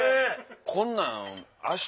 こんなん。